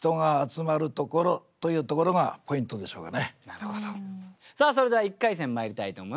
今回の兼題はそれでは１回戦まいりたいと思います。